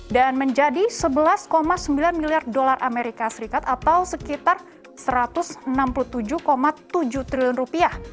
dan menjadi sebelas sembilan miliar dolar as atau sekitar satu ratus enam puluh tujuh tujuh triliun rupiah